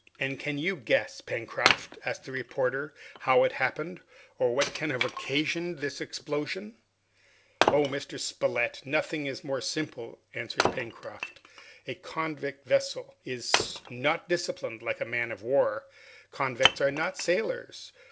"And can you guess, Pencroft," asked the reporter, "how it happened, or what can have occasioned the explosion?" "Oh! Mr. Spilett, nothing is more simple," answered Pencroft. "A convict vessel is not disciplined like a man of war! Convicts are not sailors.